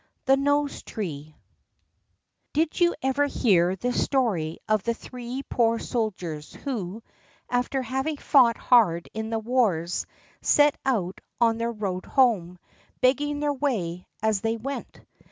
The Nose tree Did you ever hear the story of the three poor soldiers who, after having fought hard in the wars, set out on their road home, begging their way as they went?